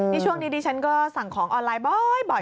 นี่ช่วงนี้ดิฉันก็สั่งของออนไลน์บ่อย